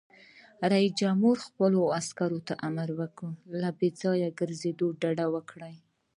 رئیس جمهور خپلو عسکرو ته امر وکړ؛ له بې ځایه ګرځېدو ډډه وکړئ!